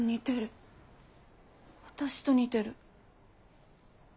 私と似てる。